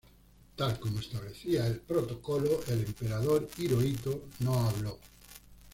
Tal como establecía el protocolo el emperador Hirohito no habló.